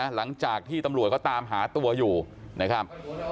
หลังจากที่ตำรวจเขาตามหาตัวอยู่นะครับ